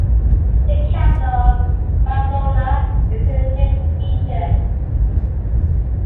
The capital, Pamplona, is in the mixed region.